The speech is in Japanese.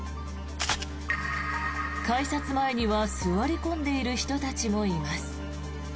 改札前には座り込んでいる人たちもいます。